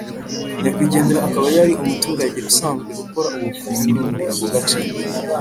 nyakwigendera akaba yari umuturage usanzwe ukora ubufundi muri ako gace